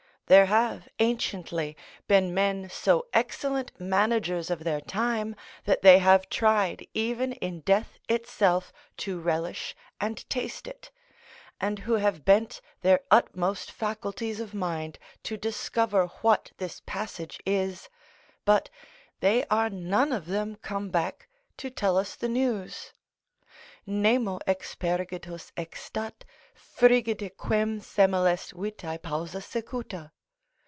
There have, anciently, been men so excellent managers of their time that they have tried even in death itself to relish and taste it, and who have bent their utmost faculties of mind to discover what this passage is, but they are none of them come back to tell us the news: "Nemo expergitus exstat, Frigida quern semel est vitai pausa sequuta."